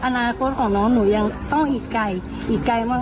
อนาคตของน้องหนูยังต้องอีกไกลอีกไกลมาก